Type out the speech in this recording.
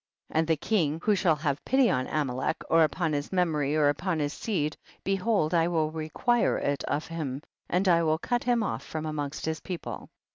6L And the king who shall have pity on Amalek, or upon his memory or upon his seed, behold I will re quire it of him, and I will cut him off from amongst his people.